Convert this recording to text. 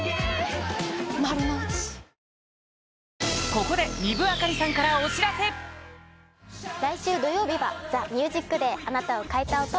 ここで来週土曜日は『ＴＨＥＭＵＳＩＣＤＡＹ』「あなたを変えた音」。